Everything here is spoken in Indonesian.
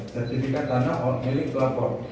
sertifikat tanah milik pelapor